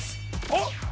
あっ